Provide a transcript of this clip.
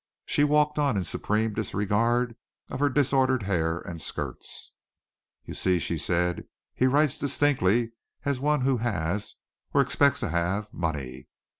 She walked on in supreme disregard of her disordered hair and skirts. "You see," she said, "he writes distinctly as one who has, or expects to have, money.